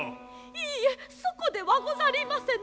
いいえそこではごさりませぬ。